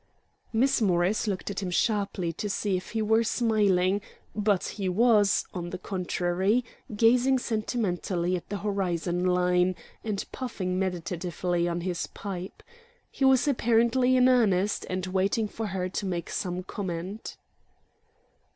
Miss Morris looked at him sharply to see if he were smiling, but he was, on the contrary, gazing sentimentally at the horizon line, and puffing meditatively on his pipe. He was apparently in earnest, and waiting for her to make some comment.